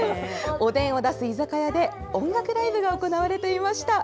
おでんを出す居酒屋で、音楽ライブが行われていました。